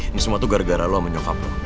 ini semua tuh gara gara lo sama nyokap lo